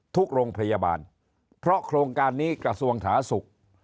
ทุกโรงพยาบาลเพราะโครงการนี้กระทรวงสาธารณสุข